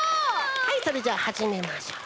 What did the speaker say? はいそれじゃはじめましょう。